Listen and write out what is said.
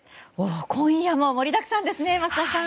今夜も盛りだくさんですね桝田さん！